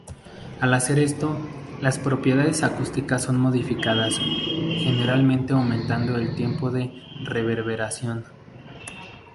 Al hacer esto, las propiedades acústicas son modificadas, generalmente aumentando el tiempo de reverberación.